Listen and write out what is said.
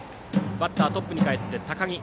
バッターはトップにかえって高木。